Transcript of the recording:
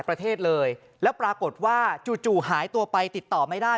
ประเทศเลยแล้วปรากฏว่าจู่จู่หายตัวไปติดต่อไม่ได้